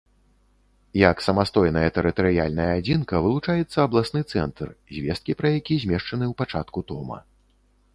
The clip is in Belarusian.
Як самастойная тэрытарыяльная адзінка вылучаецца абласны цэнтр, звесткі пра які змешчаны ў пачатку тома.